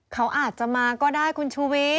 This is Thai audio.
เขาอาจจะมาก็ได้คุณชูวิทย์